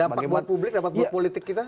dapat buat publik dapat buat politik kita